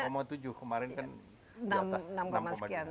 tahun ini lima tujuh kemarin kan enam enam sekian